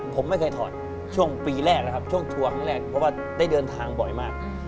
ผมไม่เคยถอดช่วงปีแรกแรกเพราะว่าได้เดินทางบ่อยมาก